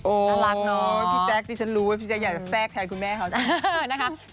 โอ้น่ารักเนอะพี่แจไม่รู้ว่าพี่แจอยากแทรกแทนคุณแม่เขาใช่มั้ย